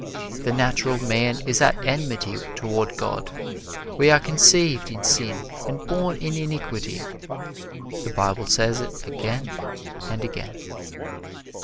The natural man is at enmity toward God. We are conceived in sin and born in iniquity. The Bible says it again and again.